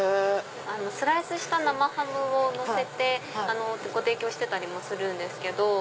スライスした生ハムをのせてご提供してたりもするんですけど。